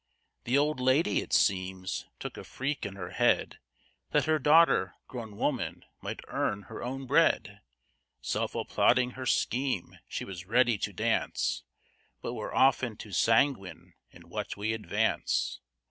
The old lady, it seems, took a freak in her head, That her daughter, grown woman, might earn her own bread: Self applauding her scheme, she was ready to dance; But we're often too sanguine in what we advance.